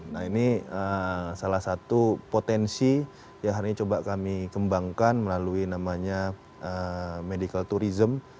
nah ini salah satu potensi yang hari ini coba kami kembangkan melalui namanya medical tourism